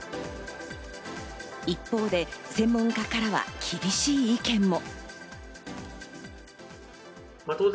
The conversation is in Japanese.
一方で専門家からは厳しい意見も。